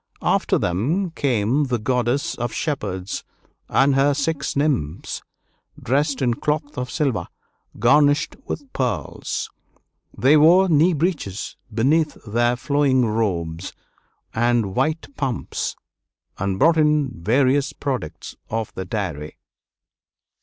After them came the Goddess of Shepherds and her six nymphs, dressed in cloth of silver, garnished with pearls. They wore knee breeches beneath their flowing robes, and white pumps, and brought in various products of the dairy.